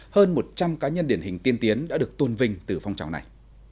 hơn một trăm linh cá nhân điển hình tiên tiến đã được tôn vinh từ phong trào này